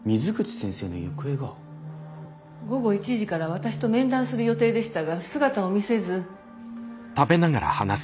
午後１時から私と面談する予定でしたが姿を見せず。